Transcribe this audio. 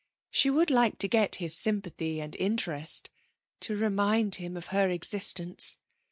She would like to get his sympathy and interest, to remind him of her existence.